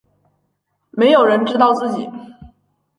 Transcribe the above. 没有人知道自己